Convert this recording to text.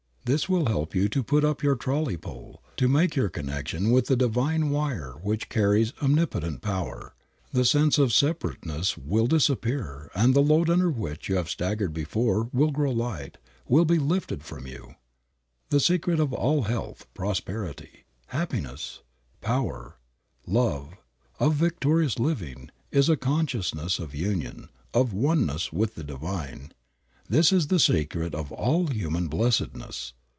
This will help you to put up your trolley pole, to make your connection with the Divine wire which carries omnipotent power. The sense of separateness will disappear and the load under which you staggered before will grow light, will be lifted from you. The secret of all health, prosperity, happiness, power, love, of victorious living, is a consciousness of union, of oneness with the Divine. This is the secret of all human blessedness.